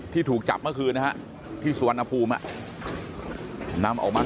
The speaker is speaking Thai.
ถูกจับเมื่อคืนนะฮะที่สุวรรณภูมินำออกมา